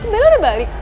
bella udah balik